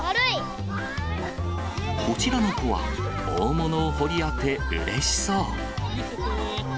こちらの子は、大物を掘り当て、うれしそう。